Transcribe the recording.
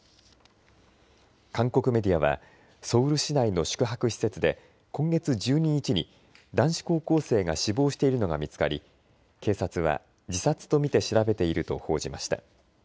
韓国メディアはソウル市内の宿泊施設で今月１２日に男子高校生が死亡しているのが見つかり警察は自殺と見て調べていると報じました。